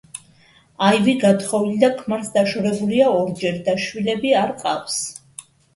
აივი გათხოვილი და ქმარს დაშორებულია ორჯერ და შვიულები არ ყავს.